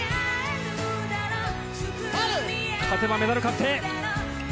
勝てばメダル確定！